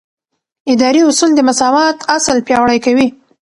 اداري اصول د مساوات اصل پیاوړی کوي.